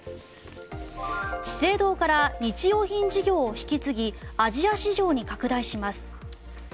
資生堂から日用品事業を引き継ぎアジア市場に拡大します。